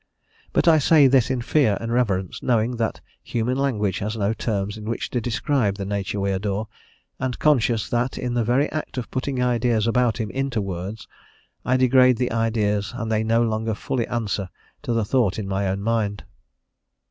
But I say this in fear and reverence, knowing that human language has no terms in which to describe the nature we adore, and conscious that in the very act of putting ideas about him into words, I degrade the ideas and they no longer fully answer to the thought in my own mind.